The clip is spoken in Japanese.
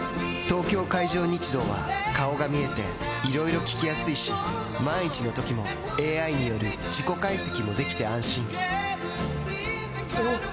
東京海上日動は顔が見えていろいろ聞きやすいし万一のときもＡＩによる事故解析もできて安心おぉ！